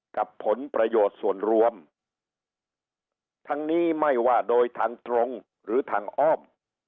ผลประโยชน์ส่วนรวมทั้งนี้ไม่ว่าโดยทางตรงหรือทางอ้อม